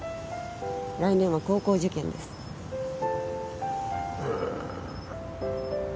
来年は高校受験ですへえ